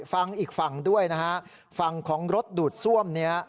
ฟังอีกฝั่งด้วยนะฮะฝั่งของรถดูดซ่วมนี้